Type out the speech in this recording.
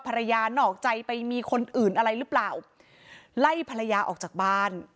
นอกใจไปมีคนอื่นอะไรหรือเปล่าไล่ภรรยาออกจากบ้าน